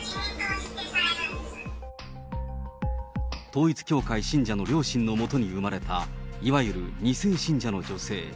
統一教会信者の両親の下に生まれた、いわゆる２世信者の女性。